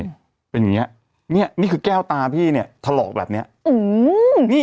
เป็นอย่างเงี้ยเนี้ยนี่คือแก้วตาพี่เนี้ยถลอกแบบเนี้ยอืมนี่